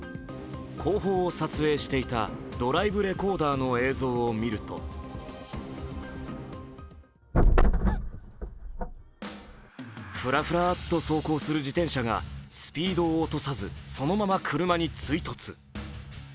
後方を撮影していたドライブレコーダーの映像を見るとふらふらーっと走行する自転車がスピードを落とさずそのまま車に追突。